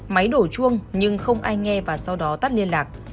máy đổ chuông nhưng không ai nghe và sau đó tắt liên lạc